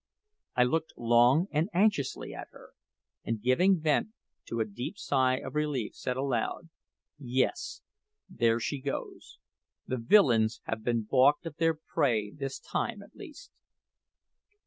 I looked long and anxiously at her, and giving vent to a deep sigh of relief, said aloud, "Yes, there she goes; the villains have been balked of their prey this time at least!"